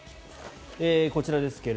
こちらです。